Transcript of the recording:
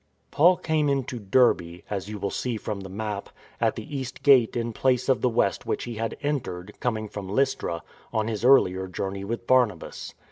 Paul came into Derbe — as you will see from the map — at the east gate in place of the west which he had entered (coming from Lystra) on his earlier journey with Barnabas.